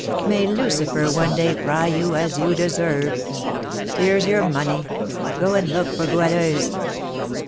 "May Lucifer one day fry you as you deserve! Here's your money; go and look for Goualeuse."